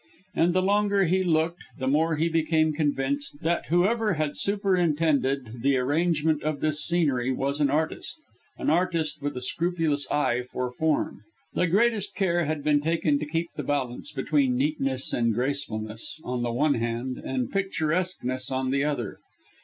And the longer he looked the more he became convinced, that whoever had superintended the arrangement of this scenery was an artist an artist with a scrupulous eye for form. The greatest care had been taken to keep the balance between neatness and gracefulness on the one hand and picturesqueness on the other.